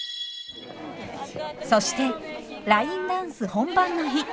そしてラインダンス本番の日。